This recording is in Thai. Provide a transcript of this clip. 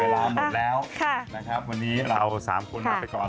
วันนี้เรา๓คน